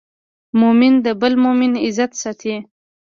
مؤمن د بل مؤمن عزت ساتي.